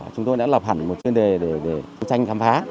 chúng tôi đã lập hẳn một chuyên đề để đấu tranh khám phá